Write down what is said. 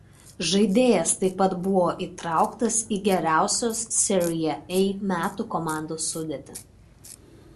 Žaidėjas taip buvo įtrauktas į geriausios Serie A metų komandos sudėtį.